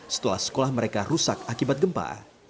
setelah sekolah mereka rusak akibat gempa